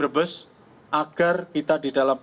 brebes agar kita di dalam